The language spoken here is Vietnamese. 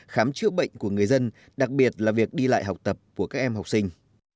khám chữa bệnh của người dân đặc biệt là việc đi lại học tập của các em học sinh